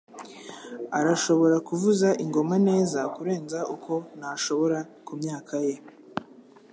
arashobora kuvuza ingoma neza kurenza uko nashobora kumyaka ye